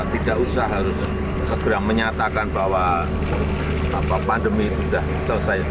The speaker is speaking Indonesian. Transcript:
tidak usah harus segera menyatakan bahwa pandemi itu sudah selesai